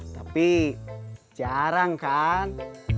tapi jarang kan